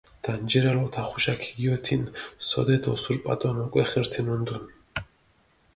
დანჯირალ ოთახუშა ქიგიოთინჷ, სოდეთ ოსურპატონ უკვე ხირთინუნდუნ.